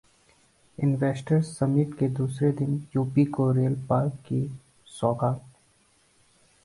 investors summit के दूसरे दिन यूपी को रेल पार्क की सौगात